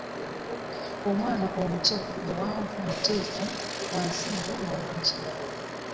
Omwana mutono muwanvu muteefu wa ssingo mulunji .